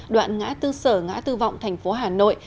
đoạn ngã tư sở ngã tư vọng thành phố hà nội